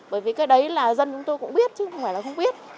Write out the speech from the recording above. bởi vì cái đấy là dân chúng tôi cũng biết chứ không phải là không biết